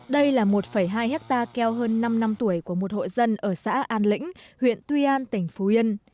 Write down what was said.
đây là một hai hectare keo hơn năm năm tuổi của một hộ dân ở xã an lĩnh huyện tuy an tỉnh phú yên